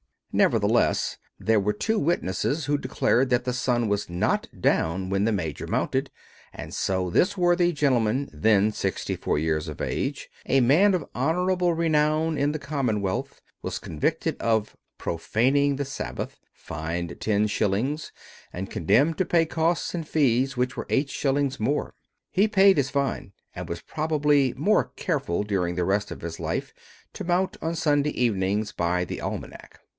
Nevertheless, there were two witnesses who declared that the sun was not down when the major mounted, and so this worthy gentleman, then sixty four years of age, a man of honorable renown in the commonwealth, was convicted of "profaning the Sabbath," fined ten shillings, and condemned to pay costs and fees, which were eight shillings more. He paid his fine, and was probably more careful during the rest of his life to mount on Sunday evenings by the almanac.